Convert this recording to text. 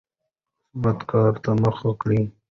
مثبت کار ته مخه کړئ.